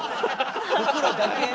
袋だけ？